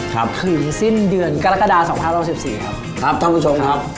ถึงสิ้นเดือนกรกฎาสองพันร้อยสิบสี่ครับครับท่านผู้ชมครับ